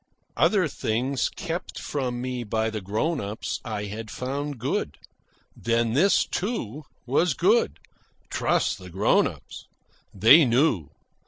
Other things kept from me by the grown ups I had found good. Then this, too, was good. Trust the grown ups. They knew.